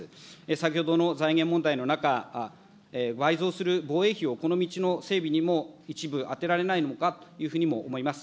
先ほどの財源問題の中、倍増する防衛費をこの道の整備にも一部当てられないのかというふうにも思います。